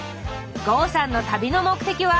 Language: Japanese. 郷さんの旅の目的は？